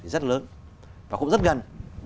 rất lớn và cũng rất gần